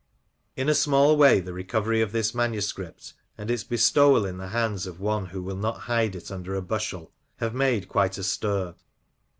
In a small way, the recovery of this manuscript, and its bestowal in the hands of one who will not hide it under a bushel, have made quite a stir.